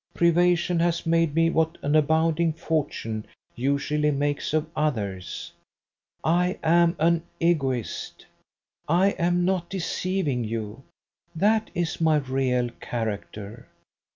Privation has made me what an abounding fortune usually makes of others I am an Egoist. I am not deceiving you. That is my real character.